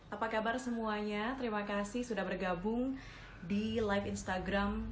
apa kabar semuanya terima kasih sudah bergabung di live instagram